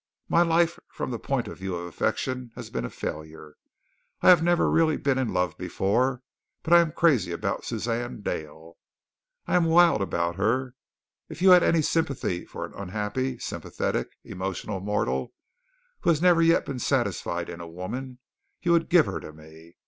My life from the point of view of affection has been a failure. I have never really been in love before, but I am crazy about Suzanne Dale. I am wild about her. If you had any sympathy for an unhappy, sympathetic, emotional mortal, who has never yet been satisfied in a woman, you would give her to me.